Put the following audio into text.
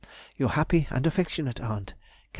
Your happy and affectionate aunt, CAR.